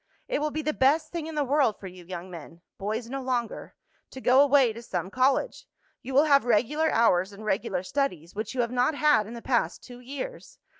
It will be the best thing in the world for you young men boys no longer to go away to some college. You will have regular hours and regular studies, which you have not had in the past two years.